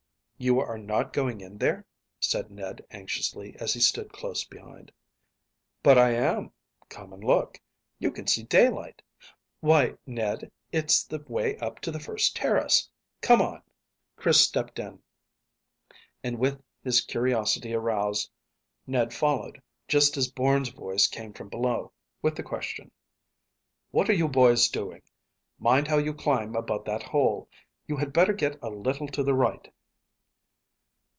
"You are not going in there?" said Ned anxiously, as he stood close behind. "But I am. Come and look. You can see daylight. Why, Ned, it's the way up to the first terrace. Come on." Chris stepped in, and with his curiosity aroused, Ned followed, just as Bourne's voice came from below, with the question "What are you boys doing? Mind how you climb above that hole. You had better get a little to the right."